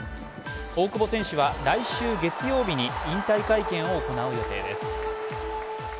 大久保選手は来週月曜日に引退会見を行う予定です。